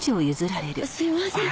あっすいません。